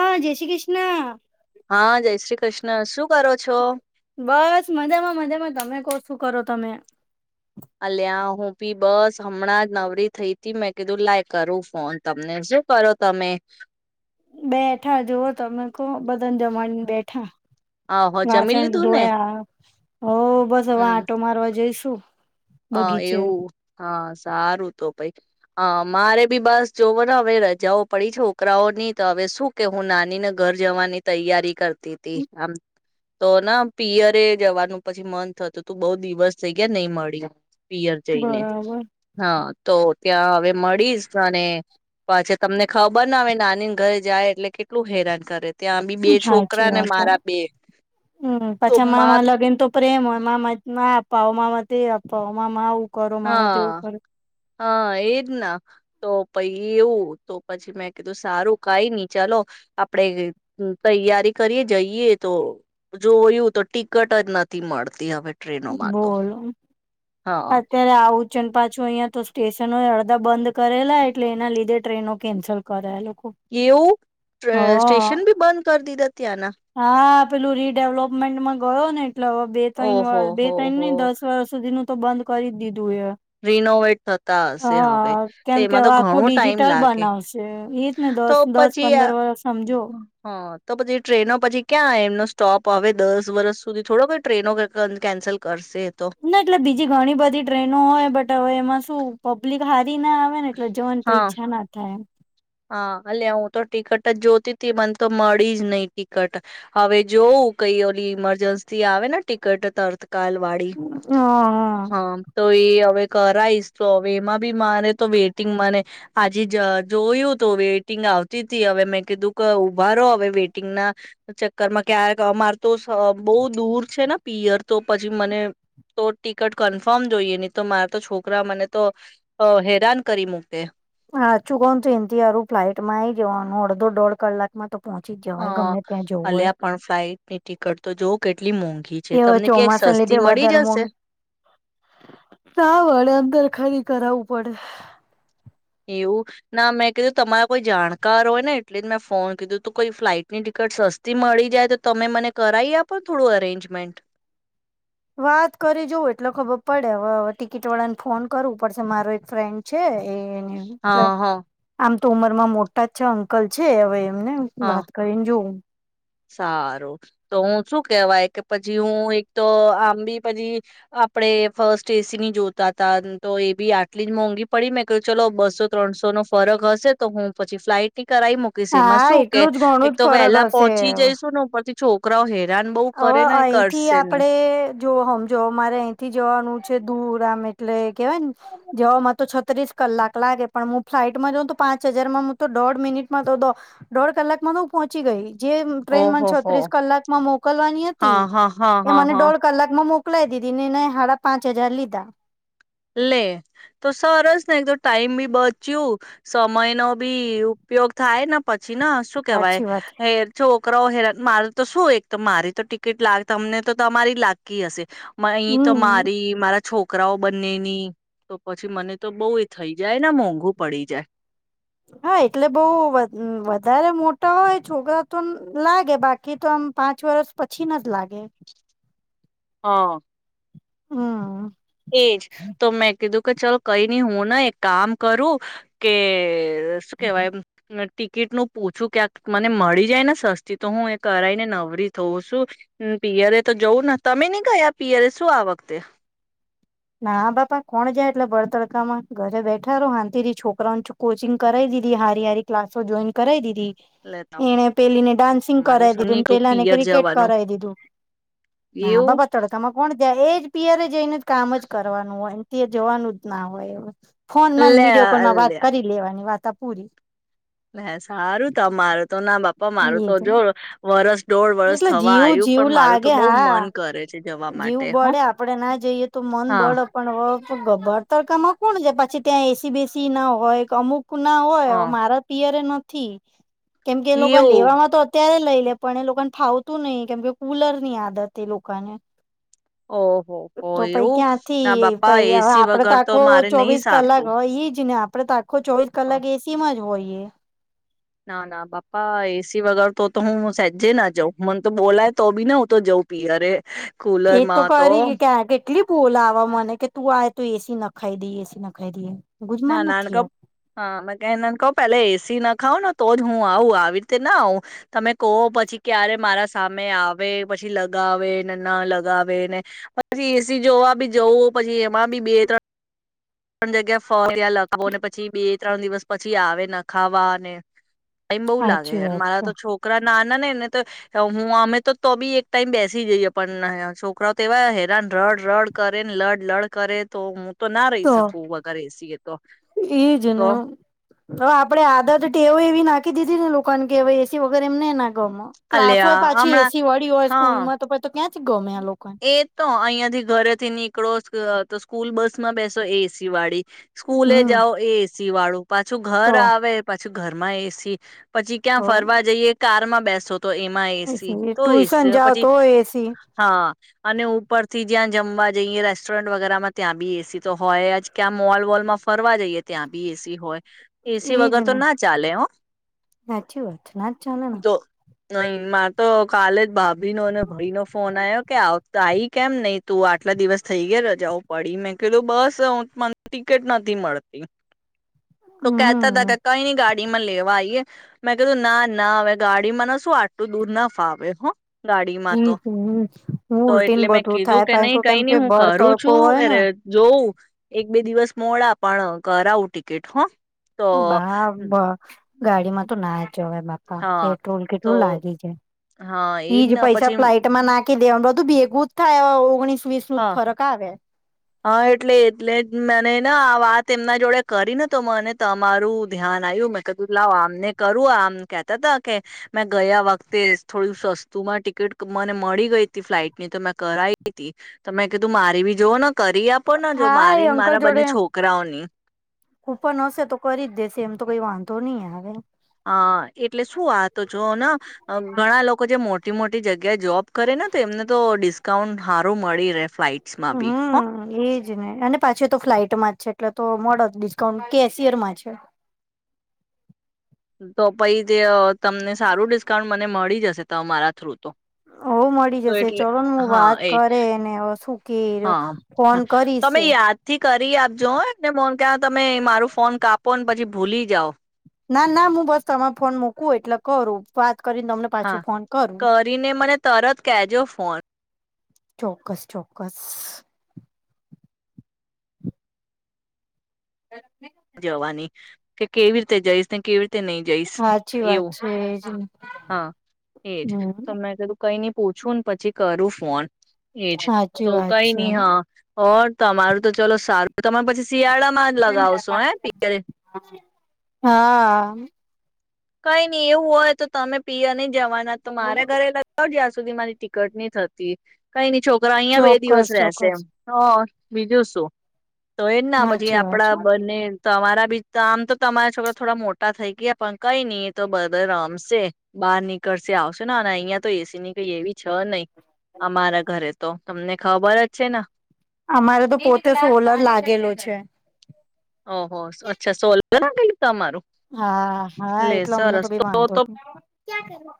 ਹਾਂ। ਜੈ ਸ਼੍ਰੀ ਕ੍ਰਿਸ਼ਨਾ। ਹਾਂ। ਜੈ ਸ਼੍ਰੀ ਕ੍ਰਿਸ਼ਨਾ ਸ਼ੂ ਕਰੋਂ ਛੋ। ਬਸ ਮਜ਼ਾ ਮ ਮਜ਼ਾ ਮੈਂ ਤਮ ਕਰੋਂ ਤਮੇ। ਅਲਿਆ ਹੁ ਭੀ ਬੱਸ ਹਮ ਨਵਰੀ ਈ ਤੀ ਮੈਂ ਕਧੂ ਲਾਇ ਕਰੂ ਫੋਨ ਤਮਣੇ ਸ਼ ਕਰੋ [unintelligible] ਬੈਠਾ ਜੋ ਤੁਹਾਨੂੰ ਬਦਲ ਜਾ ਆਹੋ ਜਮੀ ਲੀ ਤੂਨੇ? ਹੋ ਬੱਸ ਆਂਟੋ ਮਰਵੋ ਜਾਈਸੂ ਹਾਂ ਇਹ ਹਾਂ ਸਾਰੂ ਤਾਂ ਭਾਈ ਹ ਮਾਰੇ ਬੀ ਬੱਸ ਜੋਵੋ ਨਾ ਹ ਰਜਾ ਉਹ ਪੜ ੋਕਰਾ ਉਹੀ ਤਾਂ ਹ ਸੁ ਕੇ ਹੁ ਨਾਾਨ ਨੇ ਘਰ ਜਾਨੀ ਤਿਆਰੀ ਕਰਦੀ ਤੇ ਤੇ ਆਮ ਤੋ ਨਾ ਪੀਅਰੇ ਜਵਾ ਨੂੰ ਪੀ ਮਨ ਤ ਤੂੰ ਬਹੁ ਦਿਵਸ ਸੀਈ ਗਿਆ ਨਈ ਮਾੜੀ ਪੀਅਰ ਜਾਈ ਨੇ, ਹਾਂ ਤੋ ਤਿਆਵੇ ਮੜੀਸ ਪਾਨੇ ਪਾਛੇ ਤਮਣੇ ਖਬਰ ਨਾ ਹ ਨਾਨੀ ਘਰੇ ਜਾਏ ਲੇਕਿਨ ਕਿਲ ਹੈਰਾਨ ਕਰੇ [unintelligible] ਪਾਓ ਮਾਮਾ ਤੇ, ਪਾਓ ਮਾਮਾ [unintelligible] [unintelligible] ਹਾਂ ਇਹਜ ਨਾ ਪਈ ਇਹ ਪੀ ਮੈਂ ਕੂ ਸਾਰੂ ਕਾਈ ਨੀ ਚਲੋ ਆਪਣੇ ਤਿਆਰੀ ਕਰਏ ਜਾਈਏ ਤਾਂ ਜੋਇਓ ਤਾਂ ਟਿਕਟ ਨਹੀਂ [unintelligible] ਬੋਲੋ, ਅਤ ਆ ਚ [unintelligible] ਅਈ ਤੋਂ ਸਟੇਸ਼ਸ਼ਨ [unintelligible] ਕਿ ਉਹ ਸਟੇਸ਼ਨ ਵੀ ਬੰਦ ਕਰਦੀ ਦਾ ਧਿਆਨ [unintelligible] ਹਾਂ, ਪੇਲੂ ਰੀਡੇਵਲਪਮੈਂਟੈਂ ਗਓ ਨੇ [unintelligible] [unintelligible] ਬੰਦ ਕਰੀ ਦੀ ਰੀਨੋਵੇਟ ਤਾ ਤੇ ਇਹਮ ਤਾਂ ਘਣੋ ਟਾਈਮ ਲਗੇੇ [unintelligible] ਟ੍ਰੇਨ [unintelligible] [unintelligible] [unintelligible] ਪਬਲਿਕ ਹਾਂ [unintelligible] [unintelligible] ਹਾਂ ਲੇ ਹੁ ਤਾਂ ਟਿਕਟ ਜੋਤੀ ਤੀ ਮਨ ਤਾਂ ਮੀਜ ਨਈ ਟਿਕਟ ਹਵੇ ਜੋਊ ਕਈ ਓਲੀ ਇਮਰਜੰਸੀ ਆ ਨਾ ਟਿਕਟ ਤਰ [unintelligible] ਕਾਲਵਾੜੀ ਹਾ [unintelligible] ਕਰਾਈ ਹ ਇਹਮ ਬੀ ਮਨ ਤਾਂ ਵੇਟਿੰਗ ਮਨ ਆਜੀ। ਜੋਇ [unintelligible] ਬਹੁਤ ਦੂਰ ਸੇ ਨਾ ਪੀਅਰ ਤੋ ਭਾਜੀ ਮੈਨੇ ਹੋਰ ਟਿਕਟ ਕਨਫਰਮ ਛੋਕਰਾ ਮੈਨੇ ਤੋ ਹੈਰਾਨ ਕਰੀਮ ਹੋਤੇ [unintelligible] [unintelligible] ਚੋਵਾਂ ਸੈਲੀ ਤੇ ਵਧ ਰ ਕੀ ਕਰਾ ਉਪਰ ਨਾ ਮੈਂ ਕਦੇ ਤਮਾ ਕੋਈ ਜਾਣਕਾਰ ਹੋਏ ਨਾ ਇਟਲੀ ਮੈਂ ਫੋਨ ਕਿਦੂ ਤੂੰ ਕੋਈ ਫਲਾਈਟ ਨਹੀਂ ਟਿਕਟ ਸਤੀ ਮਾੜੀ ਜ ਤਰੇਜਮੈਂਟ ਵਾਤ ਕੋਰੀ ਜੋ ਵੇਟ ਲੋ ਖਬਰ ਪੜਿਆ ਕਿ ਚੋਣ ਕਰ ਉਪਰ ਸੇ ਮਾਰੋ ਇੱਕ ਫਰੈਂਚ [unintelligible] ਹਾਂ ਹਾਂ [unintelligible] ਉਮਰ ਮੈਂ ਮੋਟਾ ਅੰਕਲ [unintelligible] ਉਸ ਨੂੰ ਬਾਤ ਕਰੇ ਜੋ [unintelligible] [unintelligible] [unintelligible] [unintelligible] ਛੋਕਰਾ ਸੇ [unintelligible] [unintelligible] [unintelligible] [unintelligible] [unintelligible] [unintelligible] [unintelligible] [unintelligible] [unintelligible] [unintelligible] [unintelligible] [unintelligible] [unintelligible] [unintelligible] [unintelligible] ਹਮਮ [unintelligible] [unintelligible] [unintelligible] ਟਿਕੀਟ ਨੂੰ ਪੂਛੂ ਕਿਆਕ ਮਨ ਮੀ ਜਾਏ ਨਾ ਸਸਤੀ ਤੋਂ ਹੁ ਇਹ ਕਰਾਈ ਨਵਰੀ ਹੋਊ ਪੀਅਰੇ ਤਾਂ ਜਾਊ ਨਾ ਤ ਨੀ ਕਿਆ ਪੀਅਰੇ ਸ਼ੂ ਆ ਵਕਤੇ [unintelligible] ਇਹਣੇ ਪਹਿਲੀ ਨੇ ਡਾਂਸੀਿੰਗ ਕਰਵਾ ਦੀ ਪਹਿਲਾ ਨੇ ਕ੍ਰਿਕੇਟ ਕਰਾਈ ਦੀ ਨਾ ਬਾਾਬਾ ਤੜਕਾਮ ਕੋਣ [unintelligible] [unintelligible] [unintelligible] [unintelligible] ਤਪੂਰੀ [unintelligible] ਲੈ ਸਾਰੂ [unintelligible] ਮਾਰ ਤਾਂ ਜੋ [unintelligible] [unintelligible] [unintelligible] [unintelligible] ਠੀ [unintelligible] ਲੇਇ ਲੈ ਆਪਣੇ ਲੋਕਾਂ ਖਾੳਤੂ ਨਈ, ਕੇਮ ਕੇ ਕੂਲਰ ਨੀ ਆਦਤ ਲੋਕਾਂ ਨੇ [inaudible] [inaudible] [inaudible] ਏਕ ਤੋ ਕਰੇਗੀ ਕੇ [inaudible] ਨਾ ਨਾਨ ਕਹੋ, ਹਾਂ ਮੈਂ ਕਿਹਾ ਨਾਨ ਕਹੋ ਪਹਿਲੇ ਏਸੀ ਨਾ [inaudible] ਜਗ੍ਹਾ ਫੋਰ [unintelligible] ਤ੍ਰਨ ਦਿਵਸ ਪਛੀ ਆਵੇ ਨਾ ਖਾਵੈ ਨੇ ਟਾਈਮ ਬਹੁ ਲਾਗੇ। ਮਾਰਾ ਤੋ ਛੋਕਰਾ ਨਾ-ਨਾ ਨੇੰ-ਨੇੰ ਤੋ [unintelligible] ਤੌ ਬੀ ਇੱਕ ਟਾਈਮ ਏ ਸੀ ਚਾਈਏ [unintelligible] ਹੈਰਾਨ ਰੌਡ-ਰੌਡ ਕਰੇ, ਲੜ-ਲੜ ਕਰੇ ਤੇ ਨ ਰਹੀ ਸਕ [unintelligible] ਇ ਜ ਨੇ ਹ ਆਪਣੇੇ ਆਦਤ ਟੇਵੋ ਇਹ ਵੀ ਨਾ ਕਿ ਦੀਦੀ ਨ ਲੋਕਾਂ ਗੇਵੇ ਏਸੀ ਵਗਰ ਨੇ ਨਾ ਗਮ। ਕਲਾਸ ਹੋਏੀ ਪਾਛੀ ਏ ਸੀ ਵਾਲੀ ਹੋਏ ਸਕੂਲ ਮ ਤੋ ਪਤੋ ਕਿਆ [unintelligible] ਇਹ ਤੋਂ ਆਈਯਾਂ ਤੀਕ ਘਰੇ ਥੀ ਨਿਕਲੋਸ। ਅ ਤ ਸਕੂਲ ਬੱਸ ਮ ਬੇਸੋ ਏਸੀ ਵਾੜੀ। ਸਕੂਲੇ ਜਾਓ ਏਸੀ ਵਾੜੋ ਪਾਛੋ ਘਰ ਆਵੇ ਪਾਛੋ ਘਰ ਮ ਏਸੀ ਚੀ ਕਿਆ ਫਰਵਾ ਜਾਈਏ ਕਾਰ ਮ ਬੈਸ ਤੋ ਇਹਮਾ ਏਸੀ ਤੋਂ ਏਸੀ ਮ ਪਚੀ ਹਾਂ। ਅਨੇ ਉਪਰ ਥੀ ਜਿਆ ਜਮਵਾ ਜਾਈਏ ਰੈਸਟੋਰੈਂਟ ਵਗੈਰਾ ਤਿਆ ਬੀ ਏਸੀ ਤਾਂ ਹੋਏ ਕਿਆ ਮੋਲ ਵੋਲ ਮ ਫਰਵਾ ਜਾਈਏ ਤਿਆ ਬੀ ਏਸੀ ਹੋਏ। ਇਹਜ ਨੇ ਸਾੱਚੀ ਵਤ ਨਾ ਚਾਲ ਨਾ। ਨਹੀਂ ਮ ਤੋ ਖਾਲੀ ਭਾਭੀ ਨੋ ਭਈ ਨੋ ਫੋਨ ਆਇਆ। ਕੈ ਆਓ ਆਈ ਕੇਮ ਨਈ ਤੂੰ ਆਟਲਾ ਦਿਵਸਥਈ ਗਏ ਰਜਾਓ ਪੜੀ ਮੈਂ ਕ ਬੱਸ ਮਨ ਟਿਕਟ ਨਾ ਥੀ ਮੜੀ। ਤੂੰ ਕਹਿਤਾ ਤ ਕੱਕਈ ਨੀ ਗਾੜ ਮੈ ਲੇਵਾ ਆਈਏ ਮੈਂ ਕ ਨਾ ਨਾ ਹ ਗਾਡੀ ਮ ਨਾ ਸੂ ਆਟੂ ਦੂਰ ਨਾ ਫਾਵੇੇ ਹੋ। ਹ ਹੂੰ ਤੋ ਇਟਲੇ ਮੇ ਕਿਡੂ ਕੇ ਨਹੀਂ ਈ ਕਈ ਨਹੀ ਹੁ ਕਰੂੰ ਛੂ ਅਰ ਜੋਊ ਇੱਕ ਬੇ ਦਿਵਸ ਮੋਲਾ ਆਪਣ ਕਰਾਊ ਟਿਕੀਟ ਹਾਂ। ਬ ਬਾ ਗਾਡੀ ਮੇ ਤ ਨਾ ਚਵੇ ਬਾਪ ਪੈਟਰੋਲ ਕਿੱਟੂ ਲਾਗੀ ਜੇ। ਈਜ ਪੈਸ ਫਲਾਈਟ‌ ਮਾ ਨਾ ਕੇ ਦੇਓ ਬ [unintelligible] ਹਾਂ ਹਾਂ ਇਟਲੇ ਇਟਲੇ ਮੈਂਣੇ ਨਾ ਆਵਾਤ ਇਹਮਨਾ ਜੋੜੇ ਕਰ ਨਾ ਤਾਂ ਮਨੈ ਤਮਾਰੂ ਧਿਆਨ ਆਊ ਮੈਂ ਕ ਲਓ ਆਮਣੇ ਕਰੂ ਆਮ ਕਹਿਤਾ ਤਾ ਕਿ ਮੈਂ ਗਯਾ ਵਕਤੇ ਥੋੋੜੀ ਸਸਤੂ ਮ ਟਿਕੀਟ ਮਨੇ ਮੜੀ ਗਈ ਤੀ ਫਲਾਈਟ ਮੇ ਤਾਂ ਮੈਂ ਕਰਾਈ ਤੀ। ਤ ਮੈਂ ਕਿ ਤੂੰ ਮਾਰੀ ਵੀ ਜੋਵਓ ਨਾ ਹਾਂ ਇਹ ਅੰਕਲ ਜੋੜੇ ਕੂਪਨ ਹੋਸੀ ਤੋ ਕਰੀ ਦੇਸੀ ਇਹਮ ਤਾਂ ਕਈ ਵਾ ਦੋ ਨੀ ਹਾਵੇ। ਹਾਂ ਇਟਲੇ ਸ਼ੂ ਆ ਤਾਂ ਜੋਓ ਨਾ ਬਣਾ ਲੋਕ ਜ ਮੋਟ ਛੋਟੀ ਮੋਟੀ ਜਗ੍ਹਾ ਜੋਬ। ਕਰੇ ਨਾ ਤੇ ਮਨੇ ਤੋਂ ਡਿਸ ਕਾਂਉਟ ਹਾਰੋ ਮੜੀ ਰਹੇ। ਫਲਾਈਟਸ ਮ ਬੀ ਹਾਂ ਪਾਛੇ ਤੋ ਫਲਾਈਟ ਮ ਛੇਕਲੇ ਤਾਂ ਮੋ ਡੀਸਕਾਊਂਟ ਕੇਸ਼ਅਰ ਮਾ ਛੇ। ਦੋ ਭਈ ਤਮਨੇ ਸਾਰੂ ਡਿਸਕਾਊਂਟ ਮ ਨੀ ਮੜੀ ਜਾਸੇ ਤਾਂ ਮਾਰਾ ਥ੍ਰੂ। ਔ ਮਾੜੀ ਜੈਸੇ ਚਲੋ ਮੂੰ ਬਾਤ ਕਰੇ ਨੀ ਔ ਸੂ ਕੇਰ ਫੋਨ ਕਰੀਸੇ। ਤ ਮੇ ਮਾਰੇ ਫੋਨ ਕਾਪੋਣ ਬਾ ਜੀ ਭੁਲੀ ਹੀ ਜਾਓ। ਨਾ ਨਾ ਮੂੰ ਬੱਸ ਤ ਫੋਨ ਮੁਕੂ ਏਟਲਾ ਕਰੋ। ਹਾਂ, ਕਰੀ ਨੇ ਮਨੈ ਤਰਤ ਕੈਜੋ ਫੋਨ। ਚੌਕਸ। ਗਰਮ ਏ। ਜਵਾਨੀ ਕਿ ਕੇਵੀਰ ਤੇ ਜਾਈਸ ਨੇ ਕੇਵੀਰ ਤੇ ਨਈ ਜਾਈਸ ਇਊ ਹਾਂ ਇਹਜ ਤਾਂ ਮੈਂ ਕ ਤੂੰ ਕਈ ਨਹੀਂ ਪੁੱਛੂਣ ਪਚੀ ਕਰੂ ਫੋਨ। ਏਜ ਕਈ ਨਹੀਂ ਹਾਂ। ਹੋਰ, ਤਮਾਰੋ ਤੋ ਚਲੋ ਸਾਰੂ ਤਮਰ ਪਚੀਸ ਸ਼ਿਆਲਾ ਮਾਜ ਲਗਾਉਸ। ਹਾਂ। ਹੂੰ। ਕਈ ਨਹੀਂ ਇਹੋ ਵੋ ਹੈ ਤੈਂ ਤਨੇ ਪੀ ਹੈ ਨਹੀਂ। ਜਵਾਣਾ ਤਮਾਰੇ ਘਰੇ ਲੱਗਾ ਦੇ ਅਸ ਮਾਰੀ ਟਿਕਟ ਨਹੀਂ ਥਤੀ ਕਈ ਨੀ ਛੋ ਰ ਅਈ ਬੇ ਦਿਵਸ ਰਹੇਸੇ। ਬੀਜੇ ਸੋ। ਤੋ ਏਨਾ ਬਦੀਆਂ ਪੜਬ ਨੇ ਤੋ ਵਾਰਾ ਬਿ ਤਾਮ ਤਾਂ ਤਮਾਰ ਛਕਰਾ ਥੋੜਾ ਮੋਟਾ ਥਈ ਗੇ ਅਪਣ ਕਈ ਨੀ ਤ ਬਦਰ ਰਾਮ ਸੇ ਬਾਹਰ ਨਿਕਲਸੇ ਆਸ ਨਾ ਨਈ ਯਾ ਤਾਂ ਏਸੀ ਨੀ ਕਈ ਏ ਵੀ ਛ ਨਈ। ਅਮਾਰਾ ਘਰੇ ਏਤੋਂ। ਤਮ ਨੇ ਖ਼ਬਰ ਛੇ ਨਾ। ਅਮਾਰੇ ਤਾਂ ਪੋਤੇ ਸੋਲਰ ਲਾਗੇਲੁ ਛੇ। ਔਹੋ ਅੱਛਾ ਸੋਲ। ਗਲਾਗਲ ਹਾਂ ਹਾਂ, ਇਕਲਾ ਅਮੀ ਤਭੀ ਮਾਣ ਤੇ ਕੁ ਹ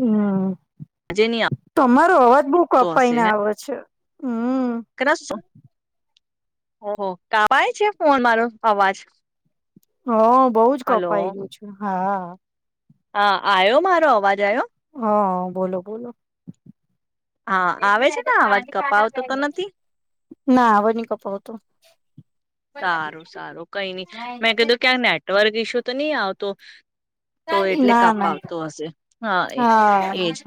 ਹੂੰ। ਤੁਮਾਰੋ ਅਵਾਜ ਬਹੁ ਕਪਾਈ ਨਾ ਆਵੇ ਛ। [unintelligible] ਕਰੱਸੋ। ਹੋ ਕਾਵਾਏ ਛੇ ਫੋਨ ਮਾਰੋ ਅਵਾਜ ਹਾਂ ਬਹੁਜ ਕਪਾਈ ਹੁਛ, ਹਾਂ। ਹਾ। ਹਾਂ ਆਇਓ ਮਾਰੋ ਅਵਾਜ ਆਇਓ ਹਾਂ ਬੋਲੋ ਬੋਲੋ ਨਾ ਵੋ ਨੀ ਕਪ ਤੋ ਸਾਰੋ ਸਾਰੋ ਕਈ ਨੀ ਮੈਂ ਕਦੋ ਕਿਆ ਨੈਟਵਰਕ ਇਸ਼ੂ ਨਹੀ ਆਓ ਤੋਂ ਇਹਟਲੇ ਕਪਾਂ ਆਤ ਹਸ ਹਾਂ ਇਹ ਇਹਜ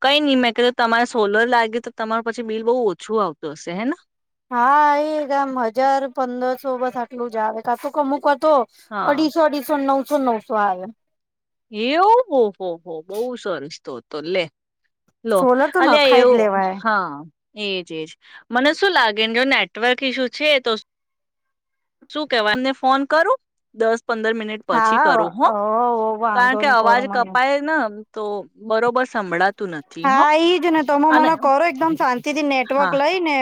ਕਈ ਨੀ ਮੈਂ ਕ ਸੋਲਰ ਲਗਗੇ ਤਾਂ ਪੀ ਬੀਿਲ ਬਹੁ ਛੁ ਆਤ ਹਸ ਹੈ ਨਾ ਹਾਂ ਏ ਗਮ ਹਜ਼ਾਰ ਪੰਦਰ ਸੌ ਬਸ ਆਟਲ ਜਾਵੇ ਕ ਤੂੰ ਕਮੁਕ ਅੜੀ ਸੌ ਅੜੀ ਸੌ ਨ ਸੌ ਸੌ ਨੌ ਸੌ ਆਲ ਇਹ ਫੋ ਫੋ ਫੋ ਬਹੁ ਸਰਸ ਤੋਂਤ ਲੈ ਲੋ ਅਲਆ ਇਹ ਹਾਂ ਏਜ ਜ ਮਨ ਸ਼ੂ ਲਗੇ ਜੋ ਨੇੈਟਵਰਕ ਇਈਸ਼ੂ ਸ਼ ਕਹਿਵਾ ਫੋਨ ਕਰੋ ਦੱਸ ਹਾਂ ਉਹ ਕਾਰਣ ਕੇ ਅਵਾਜ ਕਪਾਏ ਨਾ- ਤੋ ਬਰੋਬਰ ਸੰਭਲਾ ਹਾਂ, ਈਜ ਨੇ ਤ ਮ ਮਨ ਕਰੋ ਇੱਕਦਮ ਸ਼ਾਂਤੀ ਦੀ ਨੇੈਟਵਰਕ ਲਈ ਨੇ।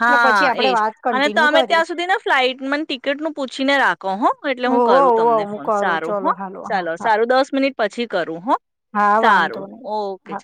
ਹਾਂ [unintelligible] ਤ ਤਿਆ ਸੁਧੀ ਨਾ ਫਲਾਈਟ ਮਨ ਟਿਕੀਟ ਨੂੰ ਪੁੱਛੀ ਨੇ ਰੱਖੋ ਹ ਇਹ ਹੁ ਕਰ ਤਮਣੇ ਫੋਨ ਸਾਰੂ ਹਾਂ ਚਲੋ ਸਾਰੂ ਦਸ ਮਟ ਮਹ ਪੱਛੀ ਕਰੂ ਹਾਂ ਹਾਂ [unintelligible] ਵਦ ਨਹੀਂ ਹਾਂ